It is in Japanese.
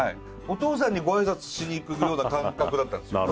お父さんにご挨拶しに行くような感覚だったんですよ。